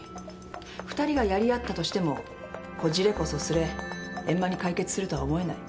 二人がやり合ったとしてもこじれこそすれ円満に解決するとは思えない。